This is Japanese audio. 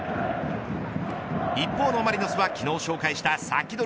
一方のマリノスは、昨日ご紹介したサキドリ！